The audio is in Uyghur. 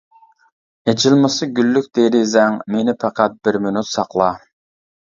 ئېچىلمىسا گۈللۈك دېرىزەڭ، مېنى پەقەت بىر مىنۇت ساقلا.